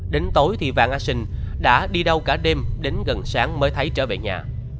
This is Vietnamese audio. đến tối thì vàng a sinh đã đi đâu cả đêm đến gần sáng mới thấy trở về nhà